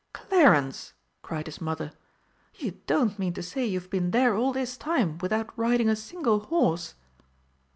"Clarence!" cried his mother, "you don't mean to say you've been there all this time without riding a single horse!"